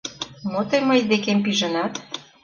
Мо тый мый декем пижынат?